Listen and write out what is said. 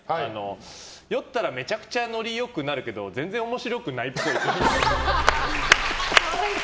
酔ったらめちゃくちゃノリ良くなるけど全然面白くないっぽい。